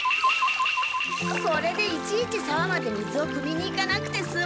これでいちいちさわまで水をくみに行かなくてすむ。